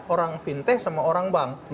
orang fintech sama orang bang